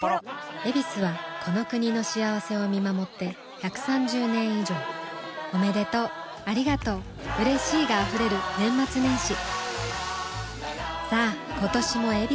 「ヱビス」はこの国の幸せを見守って１３０年以上おめでとうありがとううれしいが溢れる年末年始さあ今年も「ヱビス」で